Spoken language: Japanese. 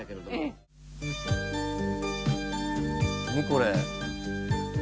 これ。